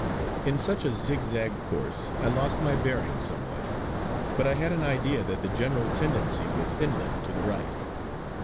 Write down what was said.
In such a zigzag course I lost my bearings somewhat; but I had an idea that the general tendency was inland to the right.